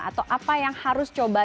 atau apa yang harus coba